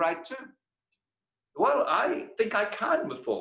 saya pikir saya tidak bisa sebelumnya